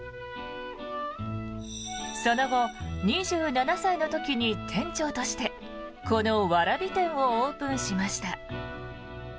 その後、２７歳の時に店長としてこの蕨店をオープンしました。